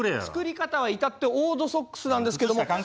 作り方は至ってオードソックスなんですけども。